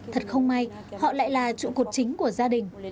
thật không may họ lại là trụ cột chính của gia đình